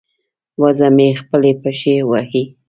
وزه مې خپلې پښې وهي.